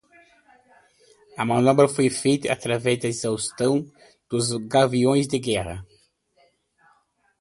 A manobra foi feita através da exaustão dos gaviões de guerra